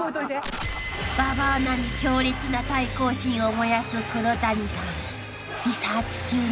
［馬場アナに強烈な対抗心を燃やす黒谷さん］ああ。